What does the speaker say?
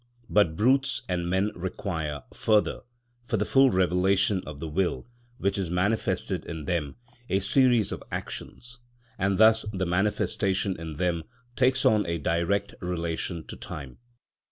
But brutes and men require, further, for the full revelation of the will which is manifested in them, a series of actions, and thus the manifestation in them takes on a direct relation to time.